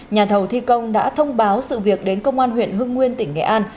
nhà thầu thi công đã thông báo sự việc đến công an huyện hưng nguyên tỉnh nghệ an